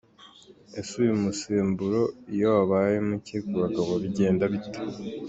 Ese uyu musemburo iyo wabaye muke ku bagabo bigenda bite?.